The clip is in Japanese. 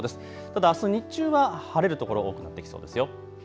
ただあす日中は晴れる所多くなってきそうですよ。